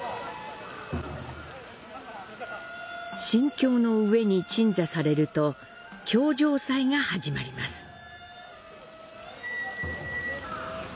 「神橋」の上に鎮座されると橋上祭が始まります。